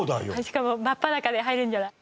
しかも真っ裸で入れるんじゃない？